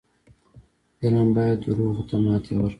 فلم باید دروغو ته ماتې ورکړي